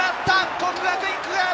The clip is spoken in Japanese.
國學院久我山。